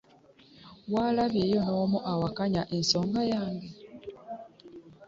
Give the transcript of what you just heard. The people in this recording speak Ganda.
Walabyeyo n'omu awakanya ensonga yange?